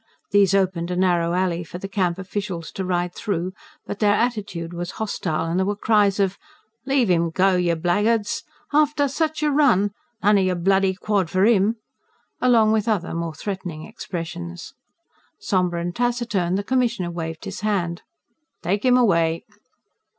These opened a narrow alley for the Camp officials to ride through, but their attitude was hostile, and there were cries of: "Leave 'im go, yer blackguards! ... after sich a run! None o yer bloody quod for 'im!" along with other, more threatening expressions. Sombre and taciturn, the Commissioner waved his hand. "Take him away!"